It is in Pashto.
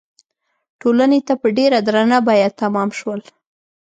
ټولنې ته په ډېره درنه بیه تمام شول.